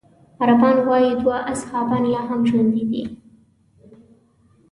عربان وايي دوه اصحابان لا هم ژوندي دي.